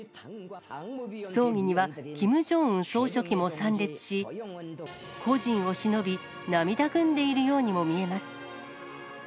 葬儀には、キム・ジョンウン総書記も参列し、故人をしのび、涙ぐんでいるようにも見えます。